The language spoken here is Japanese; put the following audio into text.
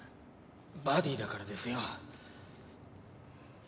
バディだからですよ。